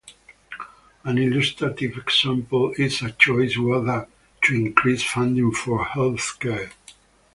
An illustrative example is a choice whether to increase funding for health care.